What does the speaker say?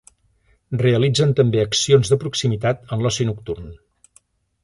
Realitzen també accions de proximitat en l’oci nocturn.